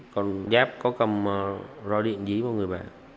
còn giáp có cầm roi điện dí vào người bà